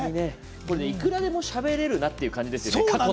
いくらでもしゃべれるなって感じですよね。